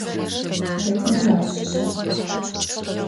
Хэтмэ уащыща?